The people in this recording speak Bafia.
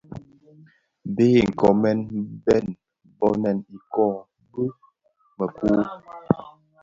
Bë nkoomèn bèn nbonèn iko bi mëku.